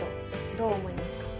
どう思いますか？